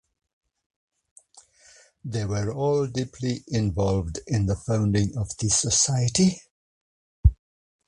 They were all deeply involved in the founding of the society.